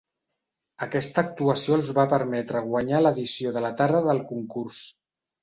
Aquesta actuació els va permetre guanyar l'edició de la tarda del Concurs.